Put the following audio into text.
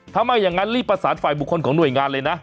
ถ้าไม่อย่างนั้นรีบประสานฝ่ายบุคคลของหน่วยงานเลยนะ